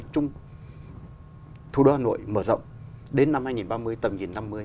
nhưng thủ đô hà nội mở rộng đến năm hai nghìn ba mươi tầm hai nghìn năm mươi